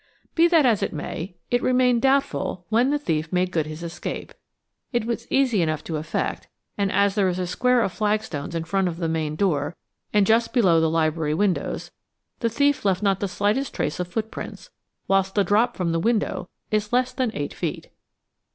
Be that as it may, it remained doubtful when the thief made good his escape. It was easy enough to effect, and, as there is a square of flagstones in front of the main door and just below the library windows, the thief left not the slightest trace of footprints, whilst the drop from the window is less than eight feet.